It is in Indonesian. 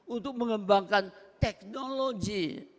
untuk mengembangkan teknologi